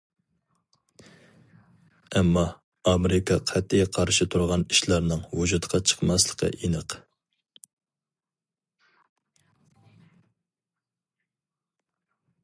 ئەمما، ئامېرىكا قەتئىي قارشى تۇرغان ئىشلارنىڭ ۋۇجۇدقا چىقماسلىقى ئېنىق.